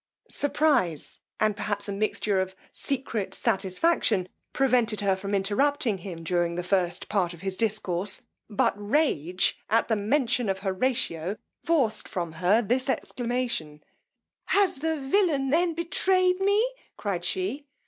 Surprize, and perhaps a mixture of secret satisfaction prevented her from interrupting him during the first part of his discourse; but rage, at the mention of Horatio, forced from her this exclamation: has the villain then betrayed me! cried she.